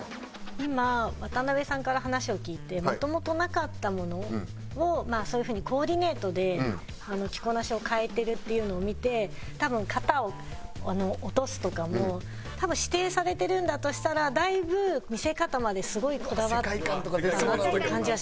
今渡邉さんから話を聞いてもともとなかったものをそういう風にコーディネートで着こなしを変えてるっていうのを見て多分肩を落とすとかも指定されてるんだとしたらだいぶ見せ方まですごいこだわったなっていう感じはします。